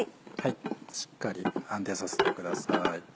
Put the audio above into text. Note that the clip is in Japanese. しっかり安定させてください。